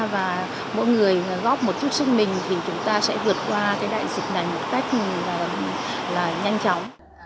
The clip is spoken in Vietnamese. và mỗi người góp một chút sức mình thì chúng ta sẽ vượt qua cái đại dịch này một cách nhanh chóng